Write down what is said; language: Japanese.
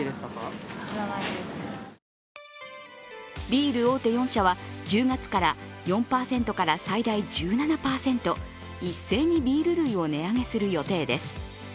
ビール大手４社は１０月から４％から最大１７％一斉にビール類を値上げする予定です。